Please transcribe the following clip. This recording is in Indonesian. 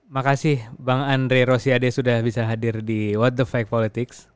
makasih bang andre rosiade sudah bisa hadir di world the fight politics